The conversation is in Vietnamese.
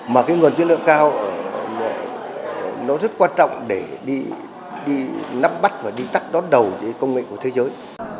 mà cái nguồn chất lượng cao nó rất quan trọng để đi nắm bắt và đi tắt đón đầu cái công nghệ của thế giới